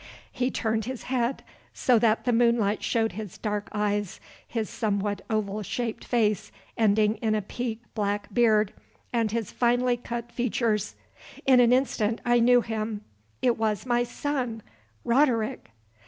He turned his head so that the moonlight showed his dark eyes, his somewhat oval shaped face ending in a peaked black beard, and his finely cut features. In an instant I knew him. _It was my son Roderick!